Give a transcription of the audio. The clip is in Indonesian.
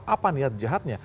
apa niat jahatnya